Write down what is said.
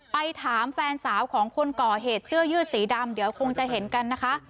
ไปถามแฟนสาวของคนก่อเหตุเสื้อยืดสีดำเดี๋ยวคงจะเห็นกันนะคะ